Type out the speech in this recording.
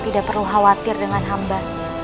tidak perlu khawatir dengan hamba